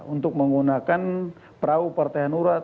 untuk menggunakan perahu partai hanurat